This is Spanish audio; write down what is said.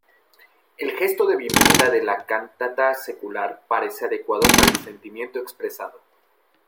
El gesto de bienvenida de la cantata secular parece adecuado para el sentimiento expresado.